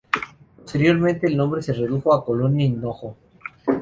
Posteriormente el nombre se redujo a Colonia Hinojo.